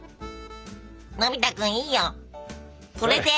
のび太くんいいよそれで！